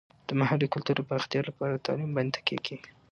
د محلي کلتور د پراختیا لپاره تعلیم باندې تکیه کیږي.